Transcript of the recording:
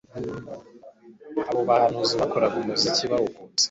Abo bahanzi bakoraga umuziki bawukunze,